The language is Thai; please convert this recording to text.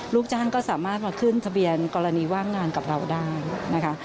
ลูกจ้างก็สามารถมาขึ้นทะเบียนกรณีว่างงานกับเราได้นะคะ